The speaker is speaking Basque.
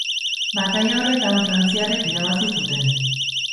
Bataila horretan frantziarrek irabazi zuten.